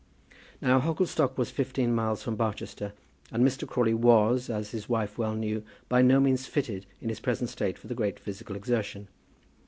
Now Hogglestock was fifteen miles from Barchester, and Mr. Crawley was, as his wife well knew, by no means fitted in his present state for great physical exertion.